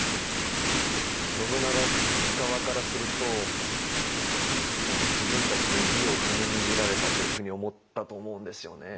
信長側からすると自分たちの義を踏みにじられたというふうに思ったと思うんですよね。